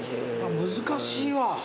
難しいわ。